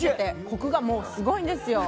コクがすごいんですよ。